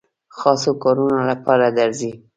خاصو کارونو لپاره درځي.